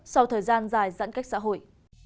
sau thời gian dài giãn cách xã hội